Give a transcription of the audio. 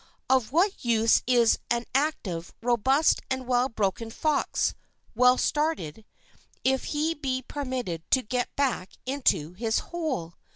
Of what use is an active, robust and well broken fox, well started, if he be permitted to get back into his hole?